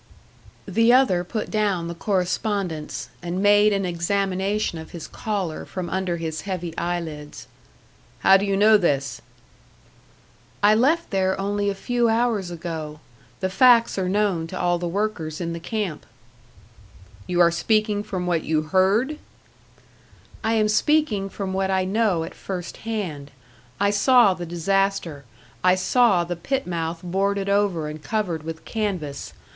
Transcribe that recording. The other put down the correspondence, and made an examination of his caller from under his heavy eyelids. "How do you know this?" "I left there only a few hours ago. The facts are known to all the workers in the camp." "You are speaking from what you heard?" "I am speaking from what I know at first hand. I saw the disaster, I saw the pit mouth boarded over and covered with canvas.